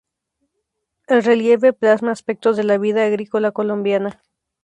El relieve plasma aspectos de la vida agrícola colombiana.